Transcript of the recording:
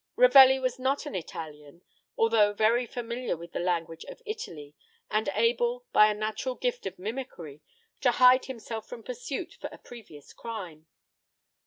Ravelli was not an Italian, although very familiar with the language of Italy, and able, by a natural gift of mimicry, to hide himself from pursuit for a previous crime.